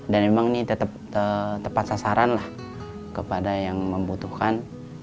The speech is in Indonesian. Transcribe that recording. dan memang ini tetap tepat sasaran lah kepada yang membutuhkan